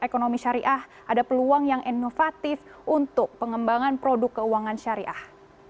ekonomi syariah ada peluang yang inovatif untuk pengembangan produk keuangan syariah